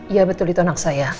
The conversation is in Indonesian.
iya betul itu anak saya